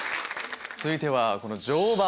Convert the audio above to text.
続いてはこの「乗馬」。